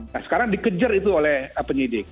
nah sekarang dikejar itu oleh penyidik